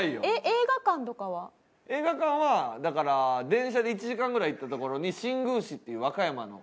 映画館はだから電車で１時間ぐらい行った所に新宮市っていう和歌山の。